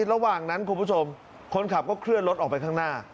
ระหว่างนั้นคุณผู้ชมคนขับก็เคลื่อนรถออกไปข้างหน้า